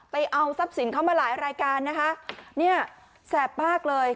เอาทรัพย์สินเข้ามาหลายรายการนะคะเนี่ยแสบมากเลย